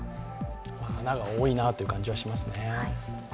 穴が多いなという感じはしますね。